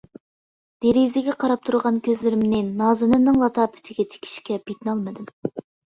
دېرىزىگە قاراپ تۇرغان كۆزلىرىمنى نازىنىننىڭ لاتاپىتىگە تىكىشكە پېتىنالمىدىم.